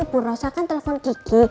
itu bu rosa kan telepon kiki